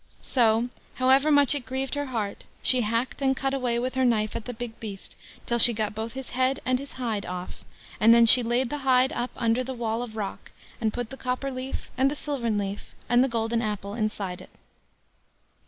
So, however much it grieved her heart, she hacked and cut away with her knife at the big beast till she got both his head and his hide off, and then she laid the hide up under the wall of rock, and put the copper leaf, and the silvern leaf, and the golden apple inside it.